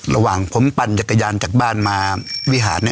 ระหว่างผมปั่นจักรยานจากบ้านมาวิหาร